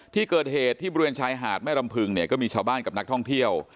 ที่เกิดเหตุที่บริเวณชายหาดแม่ลำพึงเนี่ยก็มีชาวบ้านกับนักท่องเที่ยว